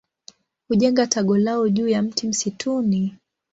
Hujenga tago lao juu ya mti msituni.